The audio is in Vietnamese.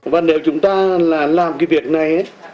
và nếu chúng ta làm cái việc này